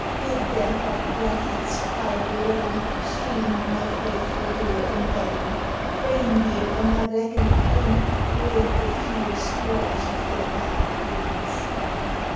Bid their hot breath its fiery rain Stream on my faithful door in vain, Vainly upon my blackened pane Grate the fierce claws of their dark wings